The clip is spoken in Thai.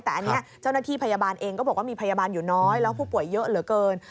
แต่อันนี้เจ้าหน้าที่พยาบาลเองก็บอกว่ามีพยาบาลอยู่น้อยแล้วผู้ป่วยเยอะเหลือเกิน